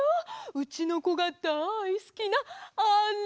うちのこがだいすきなあれ！